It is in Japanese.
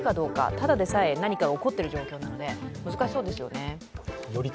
ただでさえ何かが起こっている状況なので難しそうですよね。